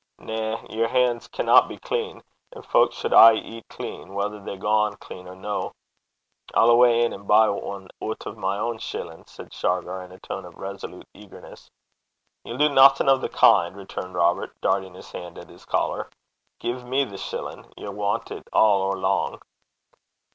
'Na. Yer han's canna be clean. And fowk suld aye eat clean, whether they gang clean or no.' 'I'll awa' in an' buy ane oot o' my ain shillin',' said Shargar, in a tone of resolute eagerness. 'Ye'll do naething o' the kin',' returned Robert, darting his hand at his collar. 'Gie me the shillin'. Ye'll want it a' or lang.'